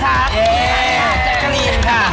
แอ้แกลีนค่ะ